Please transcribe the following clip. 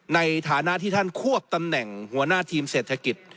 ในฐานะที่ท่านควบตำแหน่งหัวหน้าทีมเศรษฐกิจ